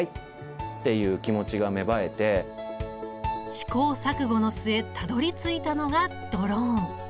試行錯誤の末たどりついたのがドローン。